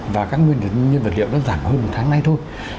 và các nguyên vật liệu nó giảm hơn một tháng nay thôi